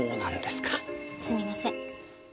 すみません。